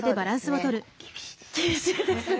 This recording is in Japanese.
結構厳しいですね。